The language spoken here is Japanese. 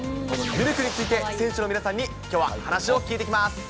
このミルクについて選手の皆さんに、きょうは話を聞いていきます。